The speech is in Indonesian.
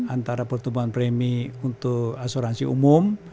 antara pertumbuhan premi untuk asuransi umum